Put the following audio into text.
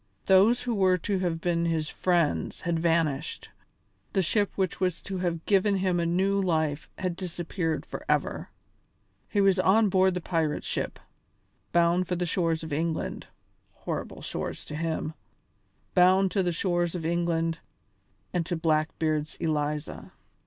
Those who were to have been his friends had vanished, the ship which was to have given him a new life had disappeared forever. He was on board the pirate ship, bound for the shores of England horrible shores to him bound to the shores of England and to Blackbeard's Eliza!